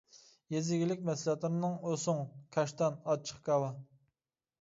يېزا ئىگىلىك مەھسۇلاتلىرىنى ئوسۇڭ، كاشتان، ئاچچىق كاۋا.